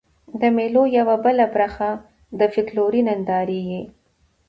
د مېلو یوه بله برخه د فکلوري نندارې يي.